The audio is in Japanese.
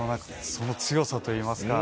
強さといいますか。